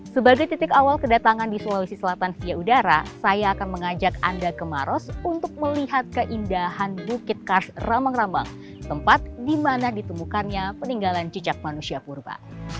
sebagai titik awal kedatangan di sulawesi selatan via udara saya akan mengajak anda ke maros untuk melihat keindahan bukit kars ramang rambang tempat di mana ditemukannya peninggalan jejak manusia purba